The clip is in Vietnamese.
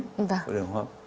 của đường hốp